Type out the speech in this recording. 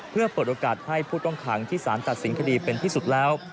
เพื่อเปิดโอกาสให้ผู้ต้องขังที่สารตัดสินคดีเป็นที่สุดแล้ว